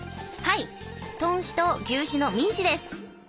はい豚脂と牛脂のミンチです。